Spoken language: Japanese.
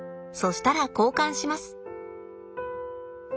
したら交換します。